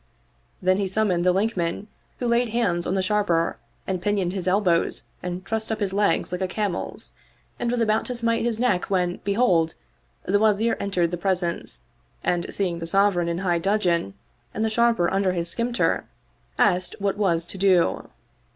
" Then he summoned the Linkman who laid hands on the Sharper and pinioned his elbows and trussed up his legs like a camel's and was about to smite his neck when behold, the Wazir entered the presence and, see ing the Sovereign in high dudgeon and the Sharper under the scimiter, asked what was to do.